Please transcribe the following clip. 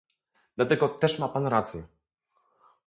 Dlatego też ma pan racje